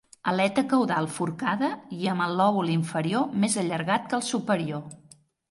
Aleta caudal forcada i amb el lòbul inferior més allargat que el superior.